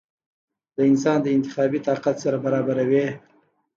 د انسان د انتخابي طاقت سره برابروې ؟